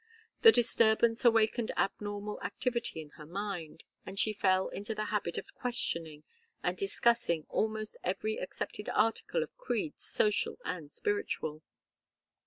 The disturbance awakened abnormal activity in her mind, and she fell into the habit of questioning and discussing almost every accepted article of creeds social and spiritual.